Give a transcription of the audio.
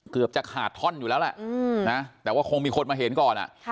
เกือบจะขาดท่อนอยู่แล้วแหละนะแต่ว่าคงมีคนมาเห็นก่อน